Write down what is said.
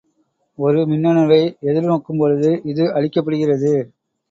ஒரு மின்னணுவை எதிர் நோக்கும் பொழுது இது அழிக்கப்படுகிறது.